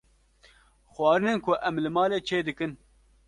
Xwarinên ku em li malê çê dikin